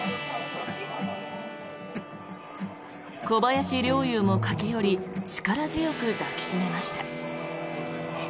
小林陵侑も駆け寄り力強く抱き締めました。